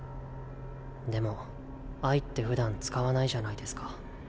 でも「愛」ってふだん使わないじゃないですか。